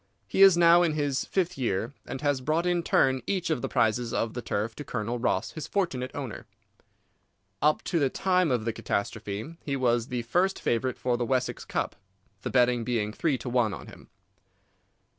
He is now in his fifth year, and has brought in turn each of the prizes of the turf to Colonel Ross, his fortunate owner. Up to the time of the catastrophe he was the first favourite for the Wessex Cup, the betting being three to one on him.